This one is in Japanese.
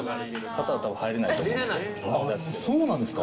そうなんですか。